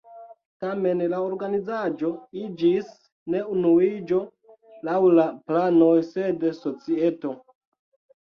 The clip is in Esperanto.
Tamen la organizaĵo iĝis ne Unuiĝo laŭ la planoj, sed "Societo".